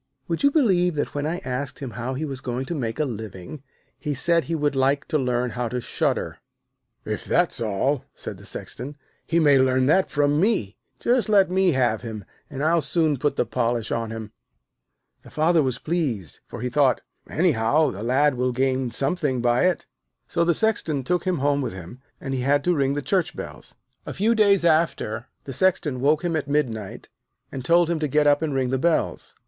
'Would you believe that when I asked him how he was going to make his living, he said he would like to learn how to shudder?' 'If that's all,' said the Sexton, 'he may learn that from me. Just let me have him, and I'll soon put the polish on him.' The Father was pleased, for he thought: 'Anyhow, the Lad will gain something by it.' So the Sexton took him home with him, and he had to ring the church bells. A few days after, the Sexton woke him at midnight, and told him to get up and ring the bells.